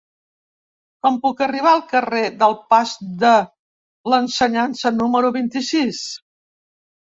Com puc arribar al carrer del Pas de l'Ensenyança número vint-i-sis?